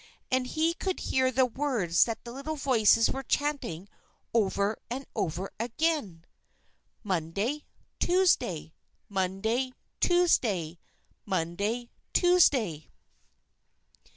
And he could hear the words that the little voices were chanting over and over again: "_Monday! Tuesday! Monday! Tuesday! Monday! Tuesday!